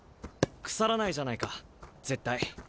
腐らないじゃないか絶対。